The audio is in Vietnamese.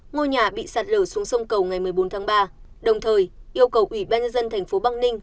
ngôi nhà bị sạt lở xuống sông cầu ngày một mươi bốn tháng ba đồng thời yêu cầu ủy ban nhân dân thành phố băng ninh